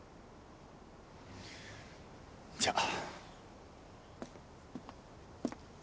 じゃあ。